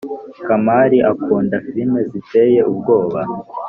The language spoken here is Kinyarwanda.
kamali akunda filime ziteye ubwoba